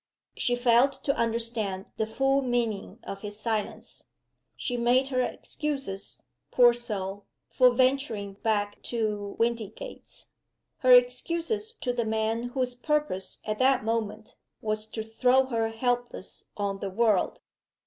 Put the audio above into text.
She failed to understand the full meaning of his silence. She made her excuses, poor soul, for venturing back to Windygates her excuses to the man whose purpose at that moment was to throw her helpless on the world.